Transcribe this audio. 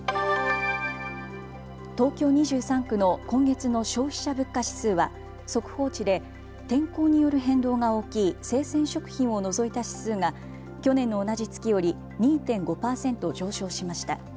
東京２３区の今月の消費者物価指数は速報値で天候による変動が大きい生鮮食品を除いた指数が去年の同じ月より２．５％上昇しました。